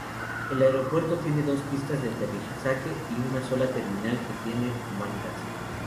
El aeropuerto tiene dos pistas de aterrizaje y una sola terminal que tiene mangas.